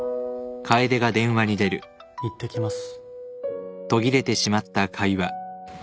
いってきます